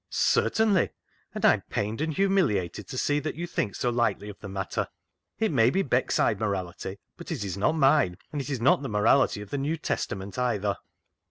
" Certainly ! and I am pained and humiliated to see that you think so lightly of the matter. It may be Beckside morality, but it is not mine, and it's not the morality of the New Testament either."